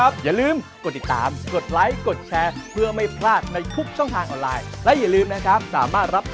สวัสดีค่ะ